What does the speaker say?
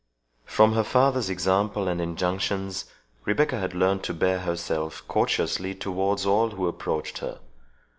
From her father's example and injunctions, Rebecca had learnt to bear herself courteously towards all who approached her.